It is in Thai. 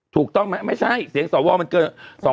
ถูกต้องไหมไม่ใช่เสียงสวมันเกิน